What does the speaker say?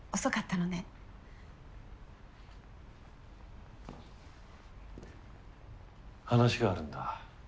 話があるんだ。